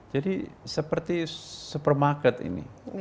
jadi seperti supermarket ini